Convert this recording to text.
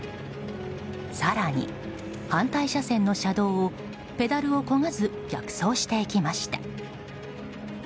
更に、反対車線の車道をペダルを漕がず逆走していきました。